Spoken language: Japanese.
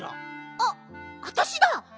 あっわたしだ！